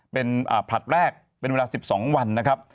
เป็นผลัดแรกเป็นเวลา๑๒วันนะครับ